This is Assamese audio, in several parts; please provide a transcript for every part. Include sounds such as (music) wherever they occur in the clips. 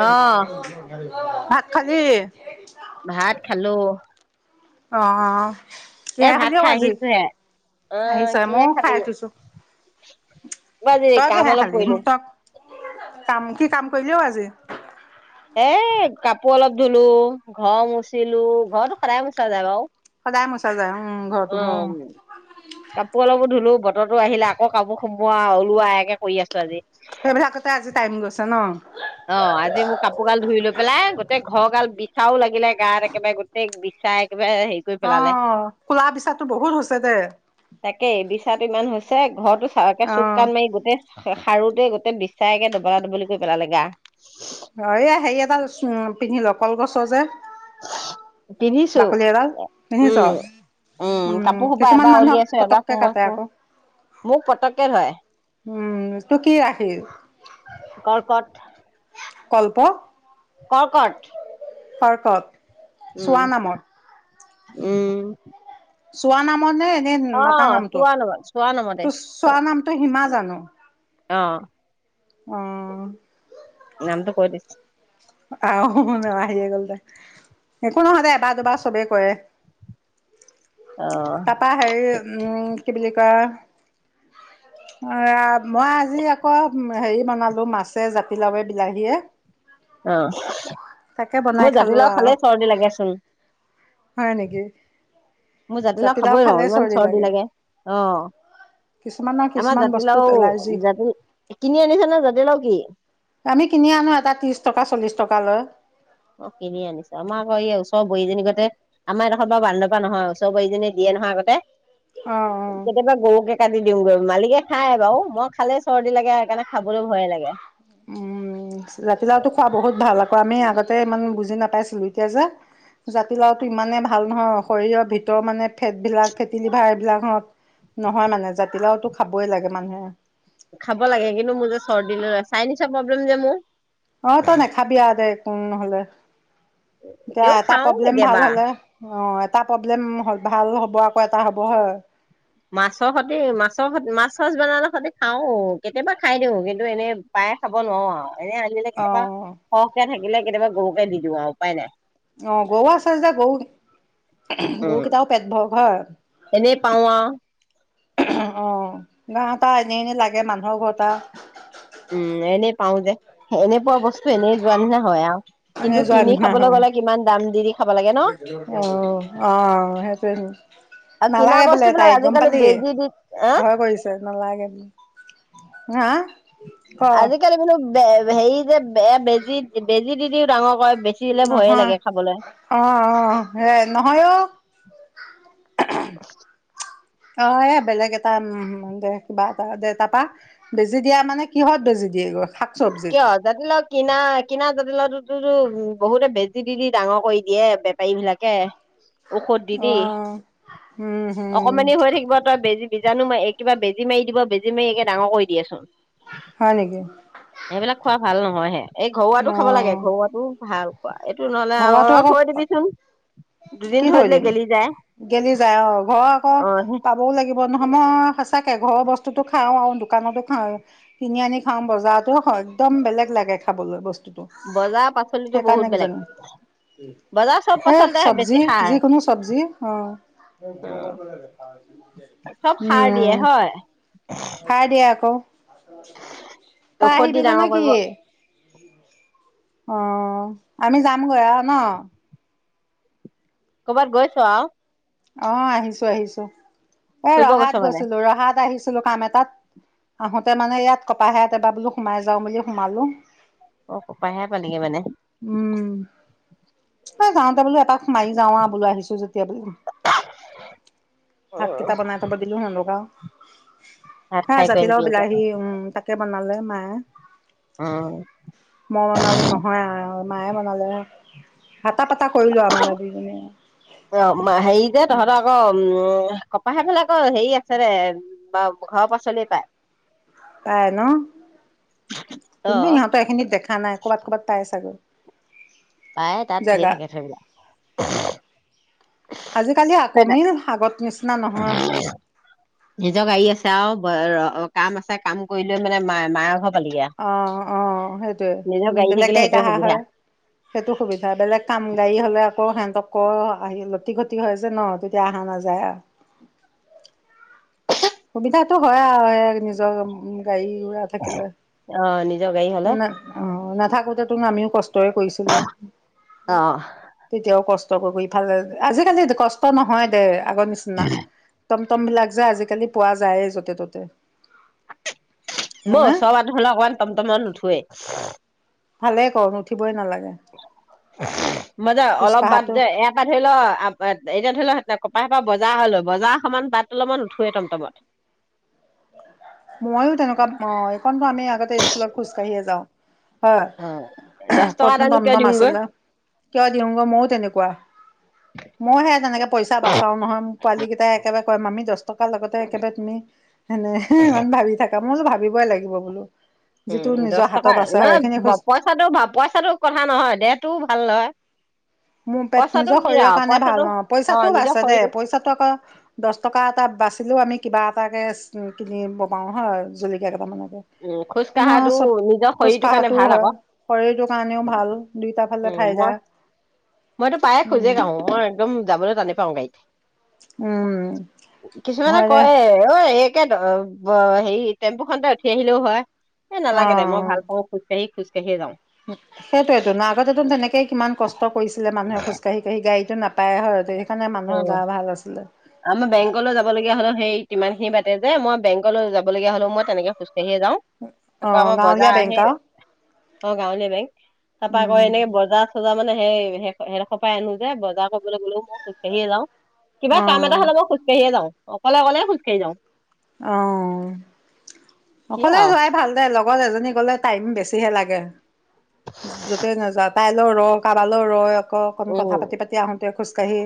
অহ ভাত খালি? ভাত খালোঁ। অ' কিহে খালি অ' খাই আজি, আহিছোহে অ আহিছহে, কিহে মইও খাই খাবি উঠিছোঁ, কিবা আজি তই কাম কিহে অলপ খালি, উম কৰিলো তই কাম, কি কাম কৰিলি অ' আজি। হে কাপোৰ অলপ ধুলোঁ, ঘৰ মচিলোঁ, ঘৰটো সদায় মোচা যায় বাৰু। কাই মছা যায় অ'! অ' উ কাপোৰ অলপোঁ ধুলোঁ বতৰ তো আহিলে, আকৌ কাপোৰ সোমোৱা ওলোৱা একে কৰি আছোঁ আজি। সেইবাৰ কৰি থাকোতে আজি টাইম গৈছ ন? অ' আজি মোৰ কাপোৰ গাল ধুই লৈ পেলাই, গোটেই ঘৰ গাল বিচাও লাগিলে গাত, একেবাৰে গোটেই বিচাই আহ ক'লা পিছাটো বহুত হৈছে যে চেক। ঘৰৰতো চাহকে চুক কাণ মাৰি গোটেই হাৰুতে গোটে বিচায়ে একে দবলা দবলি কৰি পেলালে আৰু। উম! অ' এই হেৰি এটা উ পিন্ধি ল, কলগছৰ যে পিন্ধিছো, বাকলি এডাল উম! পিন্ধি চ। উম! উম, কাপোৰ সোপা কিছুমান এবাৰ মানুহক উলিয়াইছো, এবাৰ পতককে কাটে সোমাইছো, আকৌ। মোক পতককে ধৰে। উম, এইটো কি ৰাখি কৰ্কত। কল্প? কৰ্কট। কৰ্কত! উম! উম! চোৱা নামৰ নে? অ মাতাৰ নামটো, চোৱা নম চোৱা নমতে ত চোৱা নামটো হিমা জান। অ'! অ'হ। উম, নামটো কৈ দিছে কাৰ হ'ব নালাগে। হে গ'ল দে, একো নহয় দে এবাৰ দুবাৰ চবেই কৰে। অ তাপা হেৰি উম কি বুলি কয় কা অ' এয়া, মই আজি আকৌ হেৰি বনালোঁ, মাছে জাতি লাৱে, বিলাহীয়ে। অ তাকে বনাই মোৰ খালো জাতিলাও আৰু খালে চৰ্দি লাগেচোন। হয় নেকি? মোৰ জাতিলাও খাবই নোৱাৰো ইমান চৰ্দি লাগে। অ'! কিছুমানৰ আমাৰ কিছুমান বস্তুত জাতিলাও এলাৰ্জি জাতি, কিনি আনিছে নে জাতিলাও কি? আমি কিনি আনো এটা ত্ৰিশ টকা, চল্লিশ টকা লৈ। কিনি আনিছে আমাৰ আকৌ এই অ'! বোৱাৰীজনী গ'তে, আমাৰ এইডোখৰত বাও বান্দৰৰ পৰা নহয়। ওচৰ বোৱাৰীজনীয়ে দিয়ে নহয় আগতে। অ অ কেতিয়াবা (unintelligible) কাটি দিওঁগৈ। মালিকে খায় বাৰু মই খালে চৰ্দি লাগে সেইকাৰণে খাবলৈ ভয়ে লাগে। উম, জাতিলাওটো খোৱা বহুত ভাল আকৌ। আমি আগতে, ইমান বুজি নাপাইছিলোঁ। এতিয়া যে, জাতিলাওটো ইমানে ভাল নহয়, শৰীৰৰ ভিতৰৰ মানে, ফেট বিলাক ফেটি লিভাৰ এইবিলাক নহয় মানে। জাতিলাওটো খাবই লাগে মানুহে। খাব লাগে। কিন্তু, মোৰ যে চৰ্দি হৈ চাইনেচৰ প্ৰব্লেম যে মোৰ। অ'! তই নেখাবি আৰু দে। উম, নহ'লে। এতিয়া তেও এটা খাও প্ৰব্লেম কেতিয়াবা। ভাল হ'লে, অ'! এটা প্ৰব্লেম হ' ভাল হ'ব। আকৌ এটা হ'ব হয়। মাছৰ সতি মাছৰ মাছ, চাছ বনালে সৈতে খাওঁ। কেতিয়াবা খাই দিওঁ। কিন্তু, এনেই পায়ে খাব নোৱাৰোঁ আৰু। এনে আজিলে কেনেকুৱা অ', (unintelligible) থাকিলে কেতিয়াবা গৰুকে দি দিওঁ আও উপায় নাই। অ'! গৰু আছে যে গৰু উম গৰু কেইটাও পেট ভৰক। হয়। এনেই পাওঁ আৰু। অ'! গাঁৱত আও এনেই এনেই লাগে মানুহৰ ঘৰত আও। উম, এনেই পাওঁ যে। এনেই পোৱা বস্তু এনেই যোৱা নিচিনা হয় আও। এনেই যোৱা নিচিনা হয়। দি দি খাব লাগে ন অ'! অ'! সেইটোৱে, আৰু কিনা নালাগে বস্তু বোলে বিলাক তাইক গম আজিকালি পালি। বেজি দি হা ভয় কৰিছে নালাগে হা! ক আজিকালি মানে (unintelligible) সেই যে এয়া বেজি, বেজি দি দি দিওঁ ডাঙৰ কয়! নহয়। অ'! অ'! হে নহয় অ'! অ'! এ, বেলেগ এটা (unintelligible) দে কিবা এটা দে তাৰপা বেজি দিয়া মানে, কিহত বেজি দিয়েগৈ। শাক চবজিত কিয় (unintelligible) কিনা, কিনা জাতিলাওটো বহুতে, বেজি দি, দি ডাঙৰ কৰি দিয়ে, বেপাৰী বিলাকে। ঔষধ দি দি অ'! উম! হম অকমানি হৈ থাকিব। তই বেজী বীজাণু (unintelligible) কিবা বেজী মাৰি দিব। বেজী মাৰি একে ডাঙৰ কৰি দিয়েচোন। হয় নেকি এইবিলাক খোৱা ভাল ন হয়, হে! এই ঘৰুৱাটো অ খাব লাগে, ঘৰুৱাটো ভাল। এইটো নহ'লে ঘৰুৱাটো আৰু আকৌ থৈ দিবিচোন! কি দুদিন থৈ দিলে দিম গেলি যায়। গেলি যায় অ আকৌ অ পাবও লাগিব। কিন্তু মই সঁচাকে ঘৰৰ বস্তুতো খাওঁ আৰু দোকানতো খাওঁ, কিনি আনি খাওঁ বজাৰতো একদম বেলেগ লাগে খাবলৈ বস বজাৰ পাচলি তো বহুত বেলেগ। বজাৰ চব সে পাচলিতে বেছি চবজি, সাৰ যিকোনো চবজি, অ অ চব সাৰ দিয়ে উম হয় খাই দিয়া থাকো। তাই ঔষধ দি আহিবি ক ডাঙৰ নেকি। কৰিব অ, আমি যামগৈ আৰু ন। কবাত গৈছ আও। অ আহিছো আহিছো। এ ফুৰিব গৈছ ৰহাত মানে গৈছিলো, ৰহাত আহিছিলো কাম এটাত। আহোতে মানে ইয়াত, কপাহেত এবাৰ বোলো সোমাই যাও বুলি সোমালো। অ কপাহে পালিগে মানে। উম যাওঁতে বোলো এপাক সোমাই এ যাও বোলো আহিছো যেতিয়া বোলো। উম, হাকটা বনটো বদিলো হ লগা (unintelligible) ভাত হা খাই কৰি জাতিলাও আহিবি এতিয়া বিলাহী, উম তাকে বনালে মায়ে উম মই বনালো নহয় আৰু মায়ে বনালে। হটা প কৰিলোৱা মানে দুজনে অ হেৰি যে তহঁতৰ আকৌ উম কপাহেবিলাকৰ হেৰি আছে দে, বা ঘৰৰ পাচলি পাই। পাই ন! অ কিন্তু ইহঁতৰ এইখিনিত দেখা নাই কৰ'বাত ক'ৰবাত পাই চাগৈ। পায় তাত ঢেৰ জেগা থাকে থৈবা। আজিকালি কমিল আগত নিচিনা নহয়। নিজৰ গাড়ী আছে আৰু কাম আছে কাম কৰি লৈ মানে মায়ে মায়াৰ ঘৰত অ অ সেইটোয়ে, নিজৰ গাড়ী বেলেগ থাকিলে গাড়ীত সেইটোৱে অহা সুবিধা হয়, সেইটো সুবিধা বেলেগ কাম গাড়ী হলে আকৌ সিহতক আক আহি লতি ঘতি হয় যে ন, তেতিয়া অহা নাযায় আৰু। সুবিধাটো হয় আৰু নিজৰ গাড়ী উৰা থাকিলে, অ নিজৰ গাড়ী হলে অঁ নাথাকোতে ত আমিও কষ্টৰে কৰিছিলো অ তেতিয়াও কষ্ট কষ্ট কৰি কৰি ফালে, আজিকালি কষ্ট নহয় দে। আগৰ নিচনা তম তমবিলাক যে আজিকালি পোৱা যায়েই য'তে ত'তে। বৌ হয়নে চব (unintelligible) অকণমান টমটমত নুঠৱে। ভালে কম, উুঠিবই নালাগে (unintelligible) মই যে অলপ বাদ খোজকাঢ়াটো যে, এয়া পা ধৈ ল, এতিয়া ধৰি ল ন কপা এপা বজাৰ হলো, বজাৰ সমান বাট অলপমান উঠোৱে টমটমত। ময়ো তেনেকুৱা অঁ! এইকণো আমি আগতে স্কুলত খোজকাঢ়িয়ে যাওঁ। হয় দহ টকা ক'ত নু এটানো কিয় দমদম দিমগৈ আছিলে! কিয় দিওঁগৈ ময়ো তেনেকুৱা। ময়ো সে তেনেকৈ পইচা বাচাওঁ নহয় মোৰ পোৱালীকেইটাই একেবাৰে হয় মামি দ টকাৰ লগতে একেবাৰে তুমি সনে সিমান ভাবি থাকা মই কৈছোঁ ভাবিবই লাগিব বোলো। যিটো উম নিজৰ দছ টকা হাতত আছে হয় নহ সেইখিনি খোজ পইচাটো পইচাটো কথা নহয়, দেহটোও ভাল নহয়। মোৰ পেট পইচাটো নিজৰ কি শৰীৰৰ আৰু কাৰণে পইচাটো ভাল অ, পইচাটো নিজৰ বাচছে দে, শৰীৰটো পইচাটো আকৌ দহ টকা এটা বাচিলোও আমি কিবা এটাকৈ কিনিব পাওঁ হয়, জলকীয়া কেইটামানে উম খোজ কিন্তু কঢ়াটো চব নিজৰ খোজ শৰীৰটোৰ কাৰণে কঢ়াটোও ভাল হয় আকৌ শৰীৰটো কাৰণেও ভাল দুইটা ফালে উম ফাইদা। মই মইতো পায়ে খোজে উম কাঢ়ো। মই একদম ম যাবলৈ টানে পাওঁ গাডীত। উম কিছুমানে হয় দে কয় অ (inaudible) হেৰি টেম্পু খনতে উঠি আহিলেও হয়। এ নালাগে দে ম ভাল পাওঁ খোজ কাঢ়ি খোজ সেইটোৱেটো আগতে তেনেকেই কিমান কষ্ট কৰিছিলে। মানুহে খোজ কাঢ়ি কাঢ়ি। গাড়ীত নাপ অ আমাৰ বেংকলৈ যাব লগগীয়া হলে সেই ইমান খিনি বাতে যে মই বেংকলৈ যাবলগ হলেও মই তেনেকে খোজ সেয়ে যাওঁ অ আকৌ আমাৰ গাঁৱলীয়া বজাৰ বেংক আহে আৰু অ গাৱলীয়া বেংক। তাৰ পৰা আকৌ উম এনেই বজাৰ চজাৰ মানে সেই হেৰ এডোখৰ পই আনো যে বজাৰ (inaudible) খোজ কাঢ়িয়ে যাওঁ কিবা অ কাম এটা হ'লে মই খোজকাঢ়িয়ে যাওঁ। অকলে অকলেই খোজ কাঢ়ি যাওঁ। অ কি অকলে আৰু যোৱাই ভাল দে লগ লগত এজনী গলে টাইম বেছিহে লাগে। য'তে নাযাত পাইলৰ ৰওঁ কালও ৰয়। আক অকণ কথা পাতি পাতি আহোতে খোজ কাঢ়ি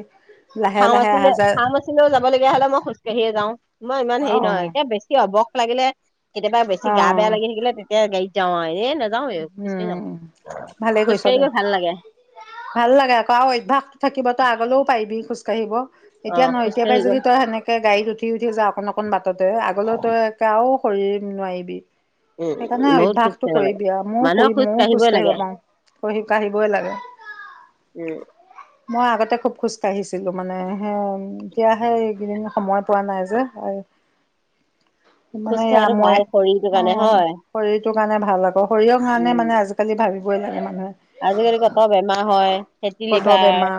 ভা আছিলে ভাং আছিলেও যাবলগীয়া হলে মই খোজকাঢ়িয়ে যাওঁ মই ইমান অ হেৰি নহয় একে বেছি হ'ব লাগিলে কেতিয়াবা বেছি অ গা বেয়া লাগি থাকিলে তেতিয়া গাড়ী, যাওঁ নাযাওঁৱে খোজকাঢ়ি যাওঁ উম ভালেই কৈছ খোজকাঢ়ি দে গৈ ভাল লাগে ভাল লাগে আকৌ আৰু অভ্যাসটো থাকিব তই আগলৈও পাৰিবি খোজ কাঢ়িব। অ এতিয়া নহয় এতিয়া খোজকাঢ়ি পৰাাই গৈ যদি তই সেনেকে গাড়ীত উঠি উঠি যা অকন অকণ বাটতে আগলৈ তইে আৰু কৰি নোৱাৰিবি। এ বহুত সুষ্ট গালাগ মই কৰি মই খোজ কাঢ়িব পাৰো শ কাঢ়িবই লাগে উম, মই আগতে খুব খোজকাঢ়িছিলোঁ মানে হ এতিয়া হে কেইদিন সময়ত পোৱা নাই যে মানে খোজ এয়া কঢ়াটো মই ভাল শৰীৰটোৰ অ কাৰণে হয়। শৰীৰটো কাৰণে ভাল আকৌ সৰিয়হণে উম, মানে আজিকালি ভাবি গৈ লে মানে (inaudible) আজিকালি কত বেমাৰ হয় ফেটি কতৰ লিভাৰ বেমাৰ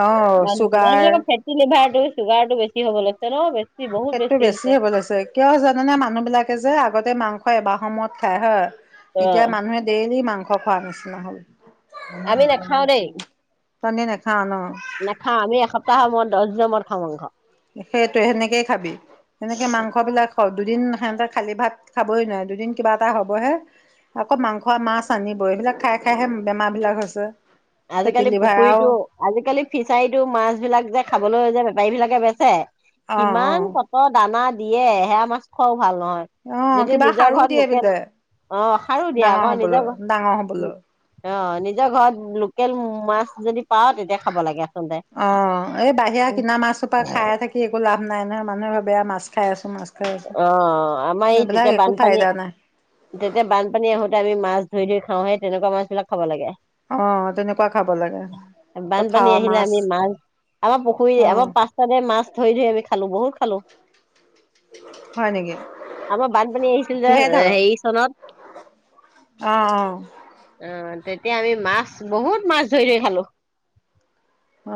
অ' মানু মানুহ চুগাৰ বিলাকৰ ফেটি লিভাৰ চুগাৰ বেছি হ'ব লাগছে ন বেছি বহুত সেইটো বেছি হৈছে। হ'ব লৈছে কিয় জানেনে মানুহ বিলাকে যে আগতে মাংস হয় বা সময়ত খায়। হয় এতিয়া অ', মানুহে ডেইলি মাংস, থ খোৱাৰ নিচিনা হ'ল আমি নেখাওঁ দৰে তহঁতি নেখাও ন নেখাওঁ, আমি এসপ্তাহ মন দহ জমৰ খাম মাংস। সেইটো সেনেকেই খাবি, সেনেকে মাংস বিলাক দুদিন হতে খালী ভাত খাবই নোৱাৰো, দুদিন কিবা এটা হবহে আকৌ মাংস, মাছ আনিবই, এইবিলাক খাই-খাইহে বেমাৰ বিলাক হৈছে। ফেটি আজিকালি লিভাৰ আৰু পুখুৰীতো, আজিকালি ফিচাৰীতো মাছ বিলাক যে খাবলৈ যানা বেপাৰী বিলাকে বেচে অঁ অঁ কিমান ক'ত দানাত? দিয়ে, সেয়া মাছ খোৱাও ভাল নহয়, অঁ যদি কিবা নিজৰ সাৰো ঘৰত দিয়ে লোকেল, বোলে অ, সাৰো দিয়া ডাঙৰ আকৌ, হ'বলৈ নিজৰ ঘৰত ডাঙৰ হ'বলৈ অ, নিজৰ ঘৰত লোকেল মাছ যদি পাও তেতিয়া খাব লাগে আচলতে। অ, এই বাহিৰা কিনা মাছ সোপা খাই থাকি একো লাভ নাই নহয়, মানুহে ভাবি বেয়া মাছ খাই আছো, মা অ, আমাৰ এই তেতিয়া বানপানী, ফাইদা নাই, তেতিয়া বানপানী আহোতে আমি মাছ ধৰি-ধৰি খাওঁ, সেই তেনেকুৱা মাছবিলাক খাব লাগে। অ', তেনেকুৱা খাব লাগে, বানপানী আহিলে আমি মাছ, আমাৰ পুখুৰী, অ', আমাৰ পাছফালে মাছ ধৰি-ধৰি আমি খালো, বহুত খালো। হয় নেকি, আমাৰ বানপানী আহিছিল যে, কিহে ধৰ? হেৰি চনত অ', অ', অহ তেতিয়া আমি মাছ, বহুত মাছ ধৰি-ধৰি খালোঁ।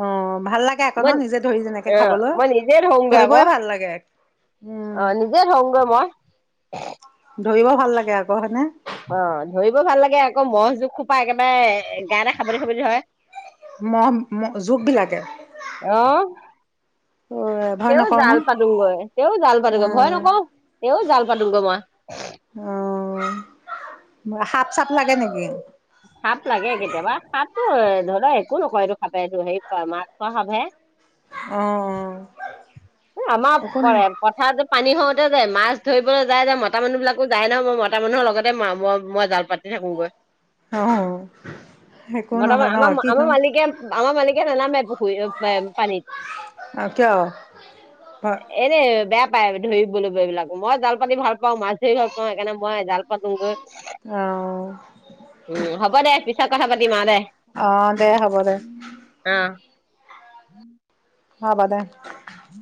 অ, ভাল লাগে আক ন, নিজে ধৰি যেনেকে অ খাবলৈ, মই নিজে ধৰোংগৈ আকৌ ধৰিবই ভাল লাগে। উম, অ, নিজে ধৰোগৈ মই। ঊমহ ধৰিব ভাল লাগে আক, হয়নে? অ, ধৰিব ভাল লাগে আক, মহ জোক সোপা একেবাৰে গাটে সাৱটি-সাৱটি ধৰে। মহ ম জোক বিলাকে অ', ভয় তেওঁ নকৰ জাল নে? পাতোগৈ, তেওঁ জাল পাতোগৈ, ভয় অ', নকৰো, তেওঁ জাল পাতোগৈ মই। সাপ-চাপ লাগে নেকি? সাপ লাগে কেতিয়াবা, সাপতো এ ধৰা একো নকৰে এইটো সাপে, এইটো হেৰি মাছ খোৱা সাপহে। আহ অ এই আমাৰ অ', প একো পথাৰতো পানী হওঁতে যে, মাছ ধৰিবলৈ যায় যে, মতা মানুহ বিলাকো যায় ন, মই মতা মানুহ লগতে ম মই জাল পাতি থাকোগৈ। অ', একো নহয় বৰ্তমান ন কিনো আমাৰ-আমাৰ মালিকে, আমাৰ মালিকে নেনামে পুখুৰী পে পানীত। কিয়? এনে বেয়া পায় ধৰিবলৈ সেইবিলাক, মই জাল পাতি ভাল পাওঁ, মাছ ধৰি ভাল পাওঁ, সেইকাৰণে মই জাল পাতোগৈ। অঁ উম হ'ব দে পিছত কথা পাতিম আঁও দে। আহ দে হ'ব দে উম হ'ব দে উম